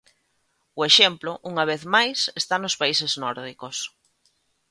O exemplo, unha vez máis, está nos países nórdicos.